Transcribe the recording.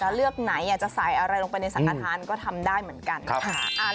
เลือกไหนอยากจะใส่อะไรลงไปในสังกระทานก็ทำได้เหมือนกันนะคะ